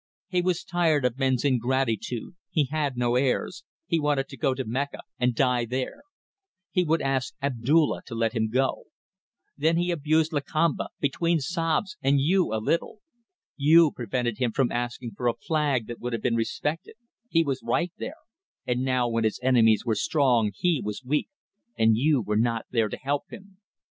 He was tired of men's ingratitude he had no heirs he wanted to go to Mecca and die there. He would ask Abdulla to let him go. Then he abused Lakamba between sobs and you, a little. You prevented him from asking for a flag that would have been respected he was right there and now when his enemies were strong he was weak, and you were not there to help him.